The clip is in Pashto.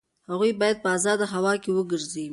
هغوی باید په ازاده هوا کې وګرځي.